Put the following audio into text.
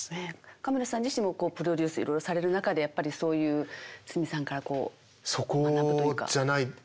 亀田さん自身もプロデュースいろいろされる中でやっぱりそういう筒美さんから学ぶというか。